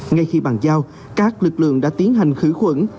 ngay khi bàn giao các lực lượng đã tiến hành khử khuẩn